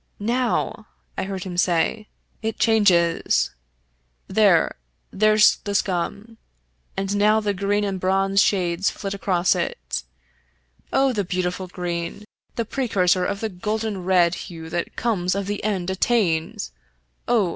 " Now," I heard him say, "it changes. There — there's the scum. And now the green and bronze shades flit across it. Oh, the beautiful green! the precursor of the golden red hue 23 Irish Mystery Stories that tells of the end attained 1 Ah